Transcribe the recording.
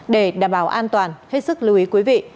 để đảm bảo an toàn hết sức lưu ý quý vị